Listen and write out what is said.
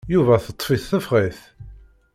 Yuba teṭṭef-it tefxet.